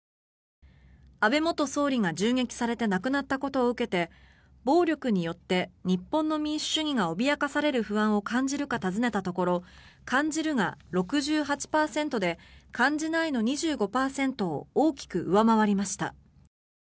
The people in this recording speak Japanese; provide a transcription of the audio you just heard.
安倍元総理が銃撃されて亡くなったことを受けて暴力によって日本の民主主義が脅かされる不安を感じるか尋ねたところ感じるが６８％で感じないの２５％を大きく上回りました。